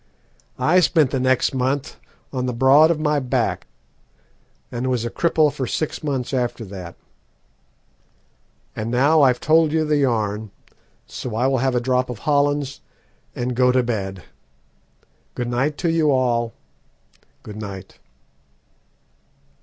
I spent the next month on the broad of my back, and was a cripple for six months after that. And now I've told you the yarn, so I will have a drop of Hollands and go to bed. Good night to you all, good night!"